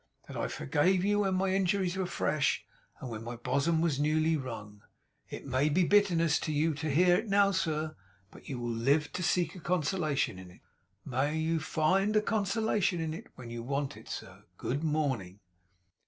That I forgave you when my injuries were fresh, and when my bosom was newly wrung. It may be bitterness to you to hear it now, sir, but you will live to seek a consolation in it. May you find a consolation in it when you want it, sir! Good morning!